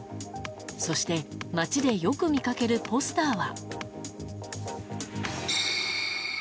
そして、街でよく見かけるポスターは。